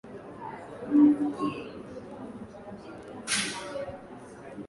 ya Kikatoliki alisoma katika shule ya msingi ya Waprotestanti halafu katika shule ambayo iliyomilikiwa